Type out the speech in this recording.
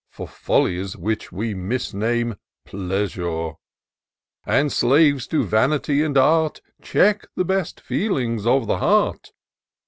For follies which we misname pleasure! And, slaves to vanity and art. Check the best feelings of the heart.